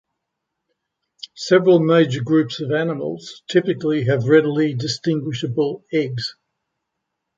Several major groups of animals typically have readily distinguishable eggs.